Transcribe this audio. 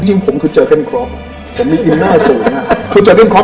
จริงผมเคยเจอกันครอฟ